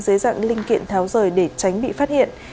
dưới dạng linh kiện tháo rời để tránh bị phát hiện